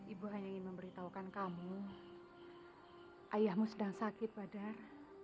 ibu hanya ingin memberitahukan kamu ayahmu sedang sakit badan